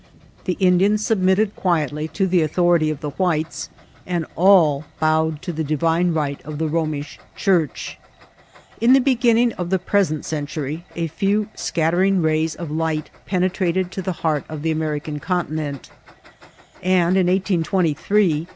The Indians submitted quietly to the author ity of the whites, and all bowed to the divine right of the Romish Church. In the beginning of the present century a few scattering rays of light penetrated to the heart of the American Continent; and in 1823 the PARTUS IN CBNTRAL AMSRICA.